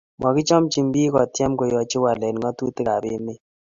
makichamchi biik kotiem koyachi walet ngatutik ab emet